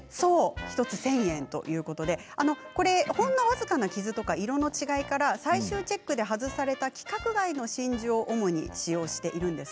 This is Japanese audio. １個１０００円ということで、ほんの僅かな傷や色の違いから最終チェックで外された規格外の真珠を主に使用しているんです。